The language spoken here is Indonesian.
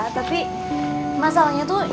tapi masalahnya tuh